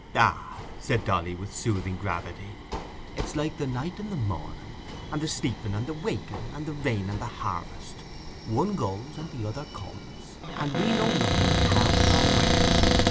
"Ah," said Dolly, with soothing gravity, "it's like the night and the morning, and the sleeping and the waking, and the rain and the harvest—one goes and the other comes, and we know nothing how nor where.